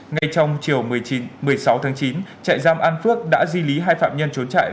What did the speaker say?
ngay trong chiều một mươi sáu tháng chín trại giam an phước đã di lý hai phạm nhân trốn trại